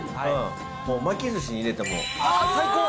もう巻きずしに入れても最高。